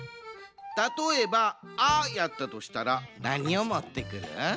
たとえば「あ」やったとしたらなにをもってくる？